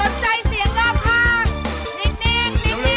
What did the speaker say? เร็ว